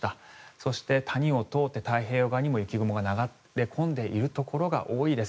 そして、谷を通って太平洋側にも雪雲が流れ込んでいるところが多いです。